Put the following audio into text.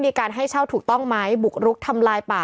มีการให้เช่าถูกต้องไหมบุกรุกทำลายป่า